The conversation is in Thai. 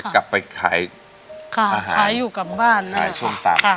กลับไปขายอาหารขายชมตำ